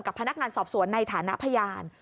พนักงานสอบสวนในฐานะพยาน